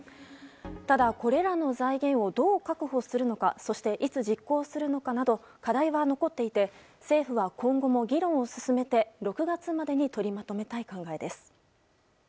ただ、これらの財源をどう確保するのかそして、いつ実行するのかなど課題が残っていて、政府は今後も議論を進めて、６月までに取りまとめたい考えです。